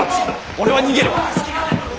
俺は逃げる。